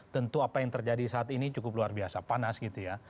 tentu apa yang terjadi saat ini cukup luar biasa panas gitu ya